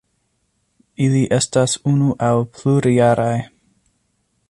Ili estas unu aŭ plurjaraj.